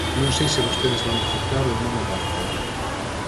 Non sei se vostedes van aceptar ou non o pacto.